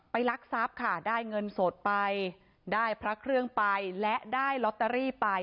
รักทรัพย์ค่ะได้เงินสดไปได้พระเครื่องไปและได้ลอตเตอรี่ไป